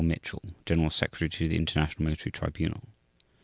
Mitchell, General Secretary for the International Military Tribunal.